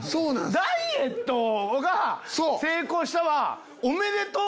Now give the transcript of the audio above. ダイエットが成功したはおめでとう！